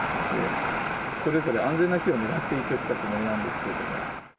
それぞれ、安全な日を狙って一応来たつもりなんですけど。